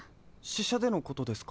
ししゃでのことですか？